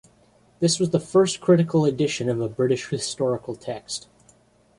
This was the first critical edition of a British historical text.